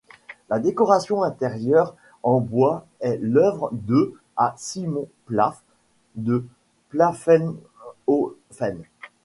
La décoration intérieure en bois est l'œuvre de à Simon Pfaff de Pfaffenhoffen.